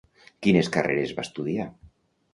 Quines carreres va estudiar?